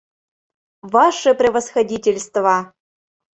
Ваше превосходительство!